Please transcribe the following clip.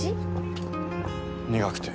苦くて。